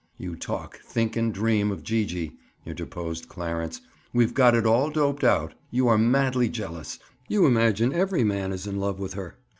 "You talk, think and dream of Gee gee," interposed Clarence. "We've got it all doped out. You are madly jealous. You imagine every man is in love with her.